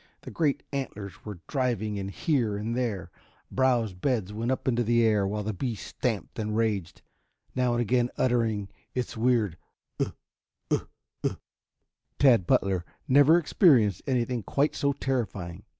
The great antlers were driving in here and there; browse beds went up into the air, while the beast stamped and raged, now and again uttering its weird "Ugh, ugh, ugh!" Tad Butler had never experienced anything quite so terrifying.